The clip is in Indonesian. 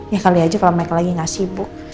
ya kali aja kalau mereka lagi nggak sibuk